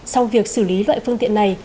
sau việc xử lý loại phương tiện này